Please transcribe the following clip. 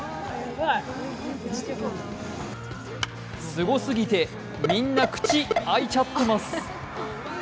すごすぎてみんな口、開いちゃってます。